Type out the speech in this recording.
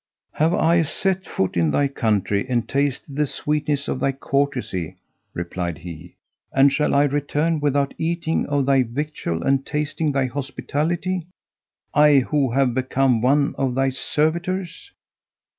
"Have I set foot in thy country and tasted the sweetness of thy courtesy," replied he, "and shall I return without eating of thy victual and tasting thy hospitality; I who have become one of thy servitors!"